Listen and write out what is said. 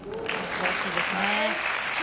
素晴らしいですね。